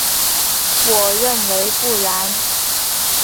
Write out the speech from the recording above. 我认为不然。